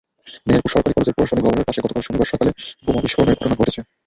মেহেরপুর সরকারি কলেজের প্রশাসনিক ভবনের পাশে গতকাল শনিবার সকালে বোমা বিস্ফোরণের ঘটনা ঘটেছে।